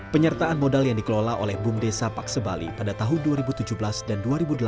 penyertaan modal yang dikelola oleh bum desa paksebali pada tahun dua ribu tujuh belas dan dua ribu delapan belas